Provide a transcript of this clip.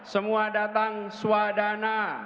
semua datang swadana